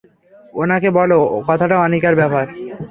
ওনাকে বলো, কথাটা আনিকার ব্যাপারে।